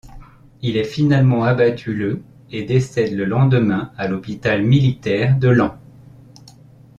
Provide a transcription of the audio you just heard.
Il est finalement abattu le et décède le lendemain à l'hôpital militaire de Laon.